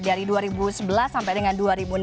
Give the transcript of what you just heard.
dari dua ribu sebelas sampai dengan dua ribu enam belas